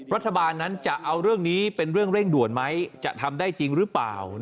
รัฐบาลนั้นจะเอาเรื่องนี้เป็นเรื่องเร่งด่วนไหมจะทำได้จริงหรือเปล่า